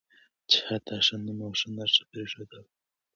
چې حتی ښه نوم او ښه نښه پرېښودل